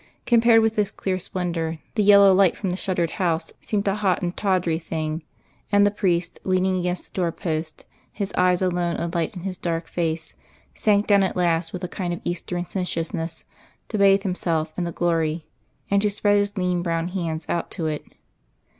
Compared with this clear splendour, the yellow light from the shuttered house seemed a hot and tawdry thing; and the priest, leaning against the door post, his eyes alone alight in his dark face, sank down at last with a kind of Eastern sensuousness to bathe himself in the glory, and to spread his lean, brown hands out to it.